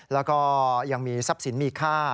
แล้วก็ยังมีทรัพย์สินมีค่า